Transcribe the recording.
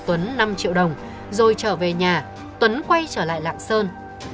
thưa trả cho tuấn năm triệu đồng rồi trở về nhà tuấn quay trở lại lạng sơn